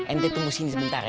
ente tunggu sini sebentar ya